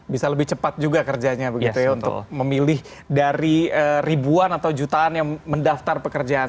bisa lebih cepat juga kerjanya begitu ya untuk memilih dari ribuan atau jutaan yang mendaftar pekerjaan